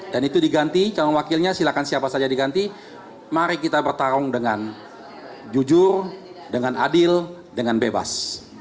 dan itu diganti calon wakilnya silahkan siapa saja diganti mari kita bertarung dengan jujur dengan adil dengan bebas